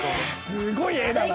すごい画だな。